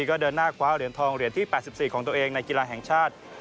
ก็เดินหน้าคว้าเหรียญทองเหรียญที่๘๔ของตัวเองในกีฬาแห่งชาติ